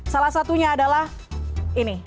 salah satunya adalah ini